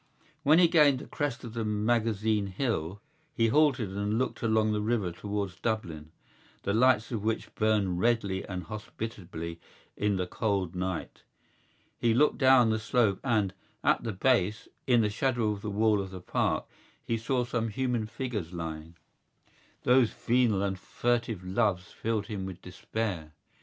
When he gained the crest of the Magazine Hill he halted and looked along the river towards Dublin, the lights of which burned redly and hospitably in the cold night. He looked down the slope and, at the base, in the shadow of the wall of the Park, he saw some human figures lying. Those venal and furtive loves filled him with despair.